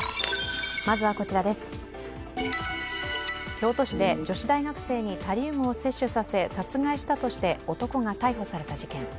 京都市で女子大学生にタリウムを摂取させ殺害したとして、男が逮捕された事件。